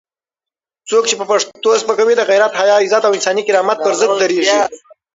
څوک چې پښتو سپکوي، د غیرت، حیا، عزت او انساني کرامت پر ضد درېږي.